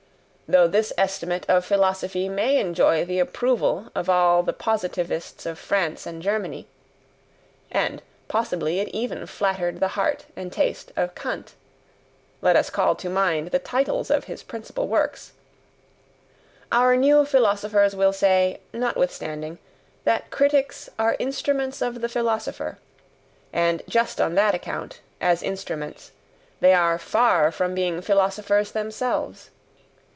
Though this estimate of philosophy may enjoy the approval of all the Positivists of France and Germany (and possibly it even flattered the heart and taste of KANT: let us call to mind the titles of his principal works), our new philosophers will say, notwithstanding, that critics are instruments of the philosopher, and just on that account, as instruments, they are far from being philosophers themselves!